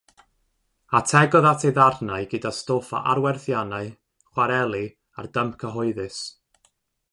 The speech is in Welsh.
Ategodd at ei ddarnau gyda stwff o arwerthiannau, chwareli a'r dymp cyhoeddus.